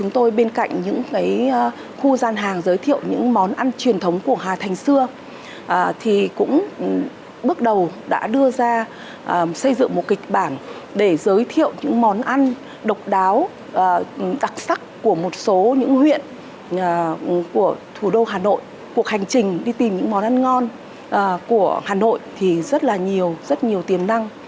thủ đô hà nội cuộc hành trình đi tìm những món ăn ngon của hà nội thì rất là nhiều rất nhiều tiềm năng